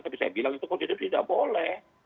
tapi saya bilang itu konstitusi tidak boleh